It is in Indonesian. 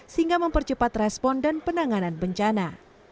sehingga mempercepat respon dan penanganan bencana